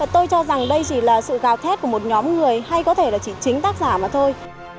tôi cho rằng đây chỉ là sự gào thép của một nhóm người hay có thể là chỉ chính tác giả mà thôi